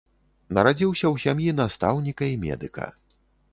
Нарадзіўся ў сям'і настаўніка і медыка.